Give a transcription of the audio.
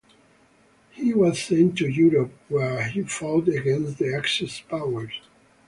He was sent to Europe, where he fought against the Axis Powers.